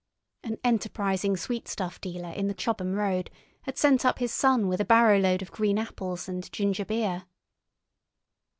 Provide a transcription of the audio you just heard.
An enterprising sweet stuff dealer in the Chobham Road had sent up his son with a barrow load of green apples and ginger beer.